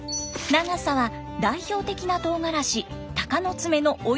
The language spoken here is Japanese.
長さは代表的なとうがらし鷹の爪のおよそ２倍。